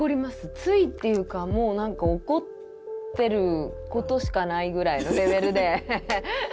ついっていうか、もうなんか怒ってることしかないぐらいのレベルで。